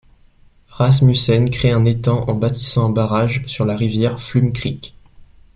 Rassmussen créé un étang en bâtissant un barrage sur la rivière Flume Creek.